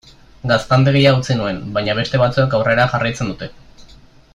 Gaztandegia utzi nuen, baina beste batzuek aurrera jarraitzen dute.